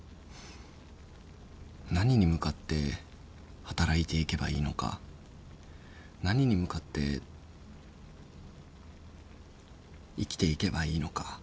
何に向かって働いていけばいいのか何に向かって生きていけばいいのか。